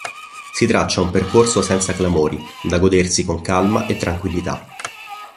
Si traccia un percorso senza clamori da godersi con calma e tranquillità.